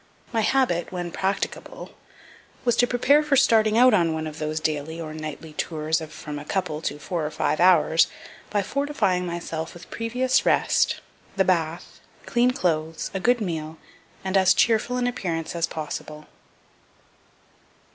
My habit, when practicable, was to prepare for starting out on one of those daily or nightly tours of from a couple to four or five hours, by fortifying myself with previous rest, the bath, clean clothes, a good meal, and as cheerful an appearance as possible.